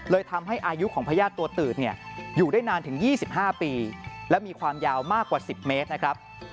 ทำให้อายุของพญาติตัวตืดอยู่ได้นานถึง๒๕ปีและมีความยาวมากกว่า๑๐เมตรนะครับ